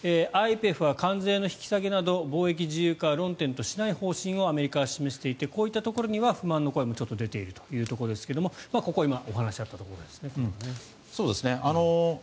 ＩＰＥＦは関税の引き下げなど貿易自由化は論点としない方針をアメリカが示していてこういったところには不満も出ているということですがここは今お話、あったところですね。